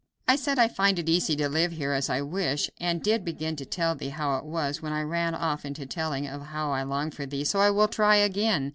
"I said I find it easy to live here as I wish, and did begin to tell thee how it was, when I ran off into telling of how I long for thee; so I will try again.